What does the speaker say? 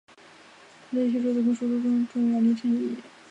它在子宫切除术中有重要临床意义。